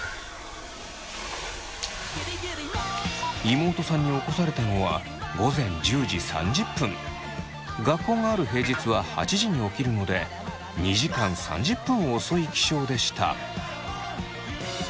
妹さんに起こされたのは学校がある平日は８時に起きるので２時間３０分遅い起床でした。